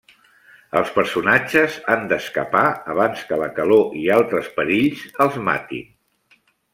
Els personatges han d'escapar abans que la calor i altres perills els matin.